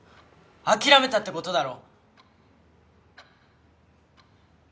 諦めたって事だろ！